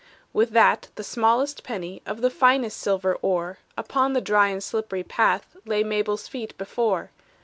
With that the smallest penny, Of the finest silver ore, Upon the dry and slippery path, Lay Mabel's feet before.